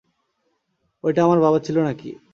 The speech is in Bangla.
ঐটা আমার বাবা ছিলো না-কি?